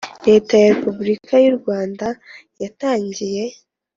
leta ya Repubulika y u Rwanda yatangiye